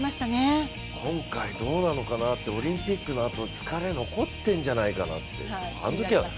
今回どうなのかなと、オリンピックのあと疲れ残ってるんじゃないかなと。